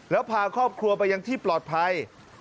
แล้วพาครอบครัวไปยังที่ปลอดภัย